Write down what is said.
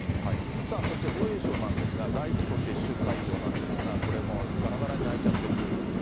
さあ、そして防衛省なんですが、大規模接種会場なんですが、これ、もうがらがらに空いちゃってるということで。